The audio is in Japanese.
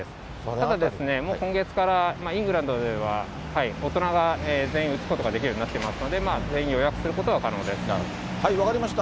ただ、今月からイングランドでは、大人は全員打つことができるようになってますので、全員予約する分かりました。